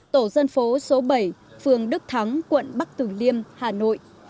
tổ dân phố số bảy phường đức thắng quận bắc tử liêm hà nội